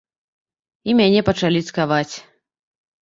І мяне пачалі цкаваць.